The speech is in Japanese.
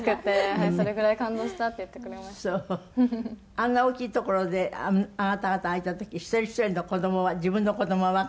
あんな大きい所であなた方がいた時一人ひとりの子どもは自分の子どもはわかるのかしら？